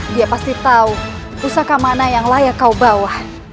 dia pasti tahu pusaka mana yang layak kau bawa